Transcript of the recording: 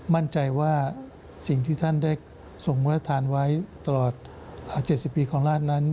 มั่นใจว่าสิ่งที่ท่านได้ทรงพระทานไว้ตลอด๗๐ปีของราชนั้น